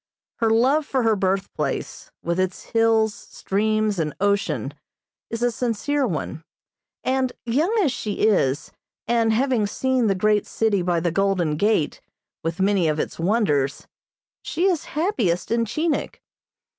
Her love for her birthplace, with its hills, streams and ocean is a sincere one, and, young as she is, and having seen the great city by the Golden Gate, with many of its wonders, she is happiest in Chinik.